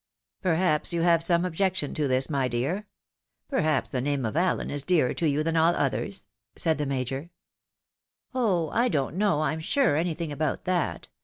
Perhaps you have some objection to this, my dear ?. Per haps the name of AUen is dearer to you than all others ?" said the Major. "' Oh ! I don't know, I'm sure, anything about that.